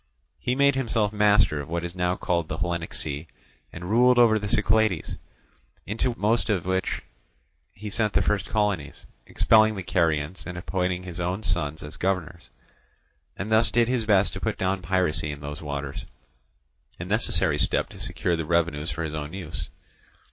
He made himself master of what is now called the Hellenic sea, and ruled over the Cyclades, into most of which he sent the first colonies, expelling the Carians and appointing his own sons governors; and thus did his best to put down piracy in those waters, a necessary step to secure the revenues for his own use.